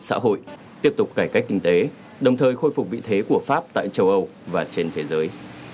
xã hội tiếp tục cải cách kinh tế đồng thời khôi phục vị thế của pháp tại châu âu và trên thế giới